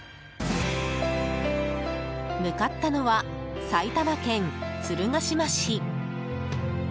向かったのは、埼玉県鶴ヶ島市。